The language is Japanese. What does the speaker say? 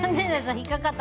引っかかった。